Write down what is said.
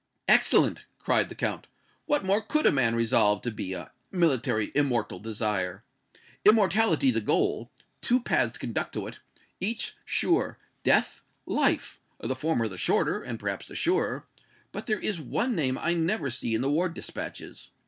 "Excellent!" cried the Count. "What more could a man resolved to be a military immortal desire? Immortality the goal two paths conduct to it each sure death life! the former the shorter, and, perhaps, the surer! But there is one name I never see in the war dispatches.